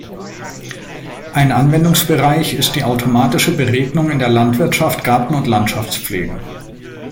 Ein Anwendungsbereich ist die automatische Beregnung in der Landwirtschaft, Garten- und Landschaftspflege.